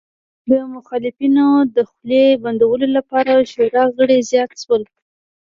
د مخالفینو د خولې بندولو لپاره شورا غړي زیات شول